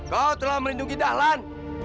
kau telah melindungi dahlan